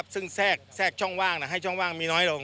ซึ่งแทรกช่องว่างกันลง